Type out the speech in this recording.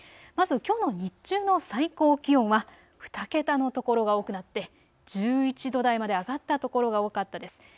まずきょうの日中の最高気温は２桁の所が多くなって１１度台まで上がった所が多かったんです。